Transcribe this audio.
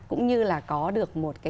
cũng như là có được một cái